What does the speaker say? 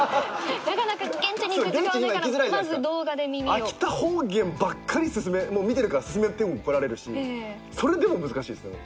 秋田方言ばっかり見てるから薦めてもこられるしそれでも難しいっす。